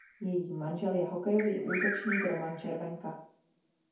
Její manžel je hokejový útočník Roman Červenka.